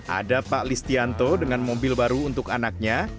ada pak listianto dengan mobil baru untuk anaknya